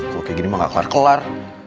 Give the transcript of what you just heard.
kalau kayak gini mah gak kelar kelar